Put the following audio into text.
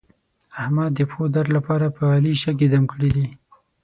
احمد د پښو درد لپاره په علي شګې دم کړې دي.